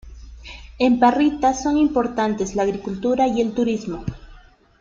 En Parrita son importantes la agricultura y el turismo.